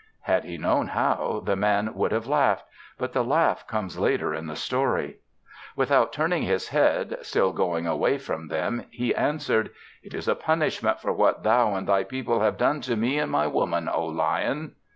Had he known how, the Man would have laughed. But the laugh comes later in the story. Without turning his head, still going away from them he answered. "It is a punishment for what thou and thy people have done to me and my Woman, oh, lion."